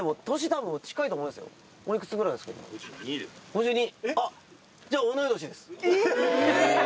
５２。